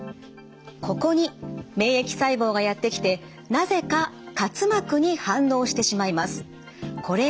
ここに免疫細胞がやって来てなぜか滑膜に反応してしまいます。